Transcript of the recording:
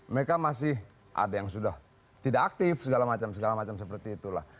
mereka masih ada yang sudah tidak aktif segala macam segala macam seperti itulah